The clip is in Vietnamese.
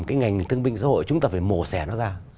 cái ngành thương binh xã hội chúng ta phải mổ xẻ nó ra